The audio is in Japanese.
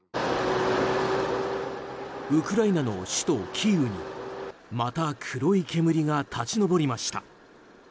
ウクライナの首都キーウにまた黒い煙が立ち上りました。